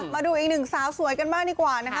มาดูอีกหนึ่งสาวสวยกันบ้างดีกว่านะคะ